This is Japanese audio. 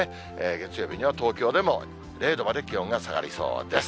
月曜日には東京でも０度まで気温が下がりそうです。